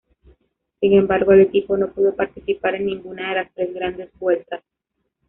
Sin embargo, el equipo no pudo participar en ninguna de las tres Grandes Vueltas.